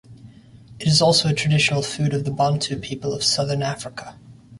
It is also a traditional food of the Bantu people of Southern Africa.